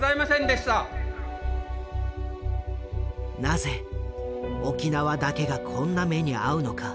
なぜ沖縄だけがこんな目に遭うのか？